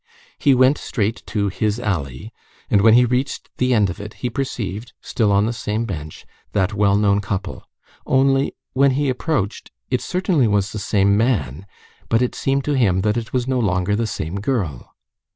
He went straight to "his alley," and when he reached the end of it he perceived, still on the same bench, that well known couple. Only, when he approached, it certainly was the same man; but it seemed to him that it was no longer the same girl.